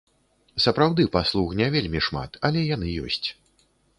Сапраўды, паслуг не вельмі шмат, але яны ёсць.